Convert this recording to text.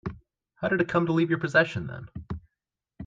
How did it come to leave your possession then?